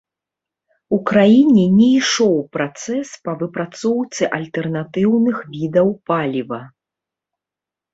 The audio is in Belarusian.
У краіне не ішоў працэс па выпрацоўцы альтэрнатыўных відаў паліва.